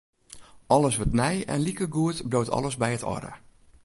Alles wurdt nij en likegoed bliuwt alles by it âlde.